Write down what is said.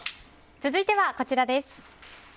続いてはこちらです。